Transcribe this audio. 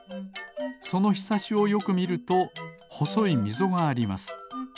そのひさしをよくみるとほそいみぞがあります。